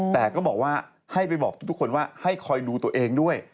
แต่ก็บอกว่าให้ไปบอกทุกคนว่าให้คอยดูตัวเองด้วย